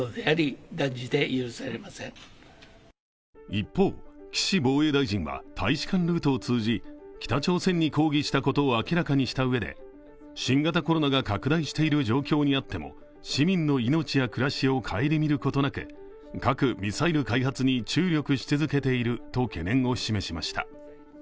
一方、岸防衛大臣は大使館ルートを通じ、北朝鮮に抗議したことを明らかにしたうえで、新型コロナが拡大している状況にあっても市民の命や暮らしを顧みることなく、核・ミサイル開発に注力し続けていると懸念を示しました。